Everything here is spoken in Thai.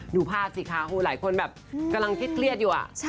ดูภาพสิคะหลายคนแบบกำลังคิดเครียดอยู่